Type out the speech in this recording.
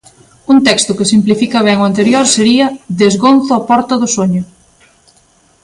Un texto que exemplifica ben o anterior sería: "Desgonzo a porta do soño".